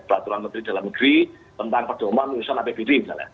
peraturan menteri dalam negeri tentang perdoman usaha apbd misalnya